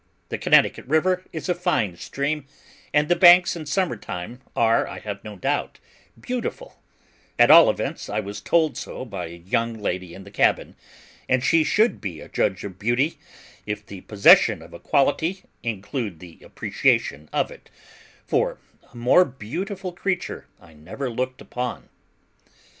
The Connecticut River is a fine stream; and the banks in summer time are, I have no doubt, beautiful; at all events, I was told so by a young lady in the cabin; and she should be a judge of beauty, if the possession of a quality include the appreciation of it, for a more beautiful creature I never looked upon.